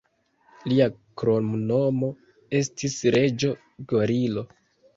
Lia kromnomo estis 'Reĝo Gorilo'.